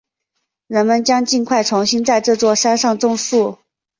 人们将尽快重新在这座山上种树。